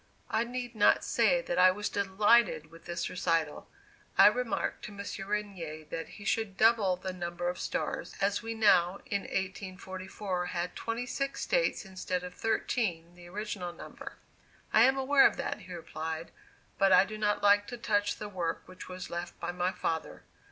I need not say that I was delighted with this recital. I remarked to M. Regnier that he should double the number of stars, as we now (in 1844) had twenty six States instead of thirteen, the original number. "I am aware of that," he replied; "but I do not like to touch the work which was left by my father.